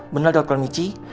benar dok kalau michi